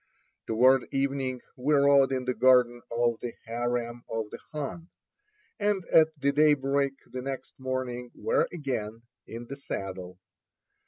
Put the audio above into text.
Toward evening we rode in the garden of the harem of the khan, and at daybreak the next morning were again in the saddle.